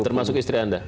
termasuk istri anda